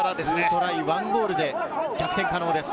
２トライ１ゴールで逆転可能です。